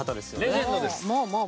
レジェンドです。